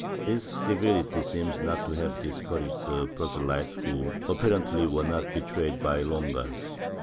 This severity seems not to have discom^aged the proselytes who, apparently, were not betrayed by Longas.